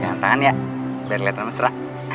pegang tangan ya biar liat namasera